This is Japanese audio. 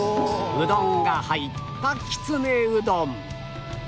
うどんが入ったきつねうどん